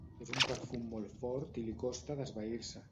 És un perfum molt fort i li costa d'esvair-se.